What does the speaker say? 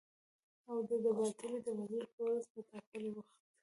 او د داوطلبۍ د مجلس په ورځ په ټاکلي وخت